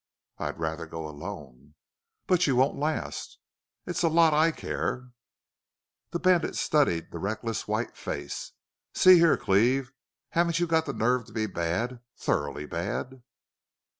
"I'd rather go alone." "But you won't last." "It's a lot I care." The bandit studied the reckless, white face. "See here, Cleve haven't you got the nerve to be bad thoroughly bad?"